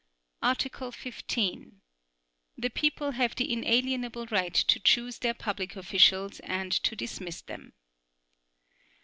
Article 15. The people have the inalienable right to choose their public officials and to dismiss them.